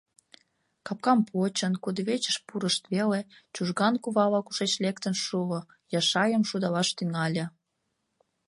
Капкам почын, кудывечыш пурышт веле — Чужган кува ала-кушеч лектын шуо, Яшайым шудалаш тӱҥале: